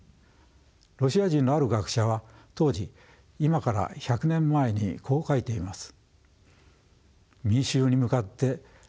ロシア人のある学者は当時今から１００年前にこう書いています。